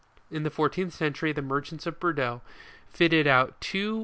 In the fourteenth century the merchants of Bordeaux fitted out two whale ships 49.